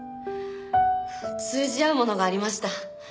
通じ合うものがありました。